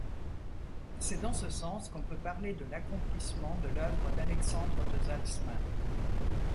C'est dans ce sens qu'on peut parler de l'accomplissement de l'œuvre d'Alexandre de Salzmann.